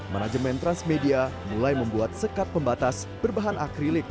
manajemen transmedia mulai membuat sekat pembatas berbahan akrilik